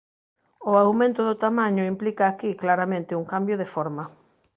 O aumento do tamaño implica aquí claramente un cambio de forma.